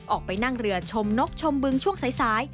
ออกไปนั่งเรือชมนกชมบึงช่วงสาย